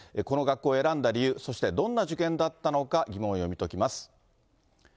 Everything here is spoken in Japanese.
この学校を選んだ理由、そしてどんな受験だったのか、疑問を読み解きます。